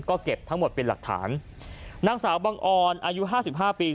ก็เก็บทั้งหมดเป็นหลักฐานนางสาวบังออนอายุห้าสิบห้าปี